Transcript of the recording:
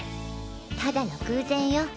ただの偶然よ。